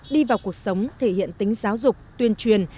đi vào cuộc sống thể hiện tính giáo dục tuyên truyền